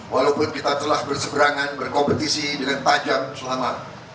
walaupun kita telah berseberangan berkompetisi dengan tajam selama